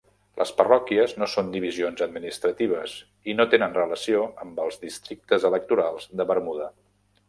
Les parròquies no són divisions administratives i no tenen relació amb els districtes electorals de Bermuda.